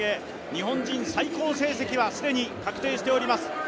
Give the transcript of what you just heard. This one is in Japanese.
日本人最高成績は既に確定しております。